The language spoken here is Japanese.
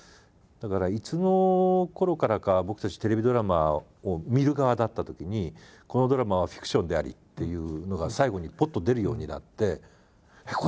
だからいつのころからか僕たちテレビドラマを見る側だったときに「このドラマはフィクションであり」っていうのが最後にポッと出るようになって。